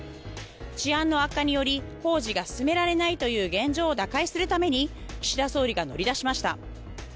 治安の悪化により工事が進められないという現状を打開するために岸田総理が乗り出しました。